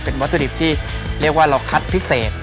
วัตถุดิบที่เรียกว่าเราคัดพิเศษ